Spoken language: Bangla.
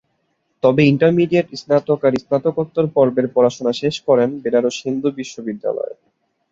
তবে ইন্টারমিডিয়েট, স্নাতক আর স্নাতকোত্তর পর্বের পড়াশোনা শেষ করেন বেনারস হিন্দু বিশ্ববিদ্যালয়ে।